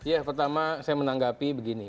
ya pertama saya menanggapi begini